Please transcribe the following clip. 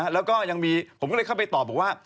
แล้วก็ยังมีผมก็เลยเข้าไปตอบบอกว่า